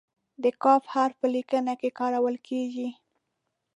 د "ک" حرف په لیکنه کې کارول کیږي.